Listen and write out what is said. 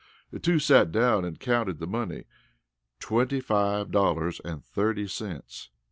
The two sat down and counted the money twenty five dollars and thirty cents!